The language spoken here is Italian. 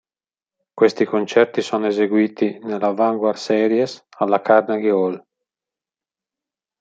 Questi concerti sono eseguiti nella Vanguard Series alla Carnegie Hall.